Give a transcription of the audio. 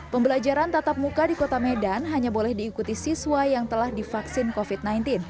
pembelajaran tatap muka di kota medan hanya boleh diikuti siswa yang telah divaksin covid sembilan belas